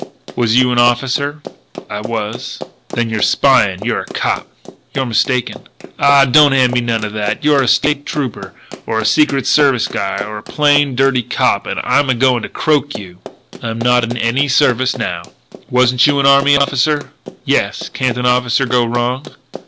"Was you an officer?" "I was." "Then you're spyin'. You're a cop." "You're mistaken." "Ah, don't hand me none like that! You're a State Trooper or a Secret Service guy, or a plain, dirty cop. And I'm a going to croak you." "I'm not in any service, now." "Wasn't you an army officer?" "Yes. Can't an officer go wrong?"